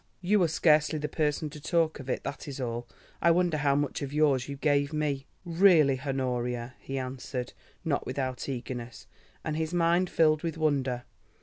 '" "You are scarcely the person to talk of it, that is all. I wonder how much of yours you gave me?" "Really, Honoria," he answered, not without eagerness, and his mind filled with wonder.